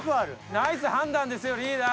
ナイス判断ですよリーダー。